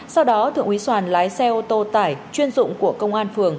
sau đó thượng úy soàn lái xe ô tô tải chuyên dụng của công an phường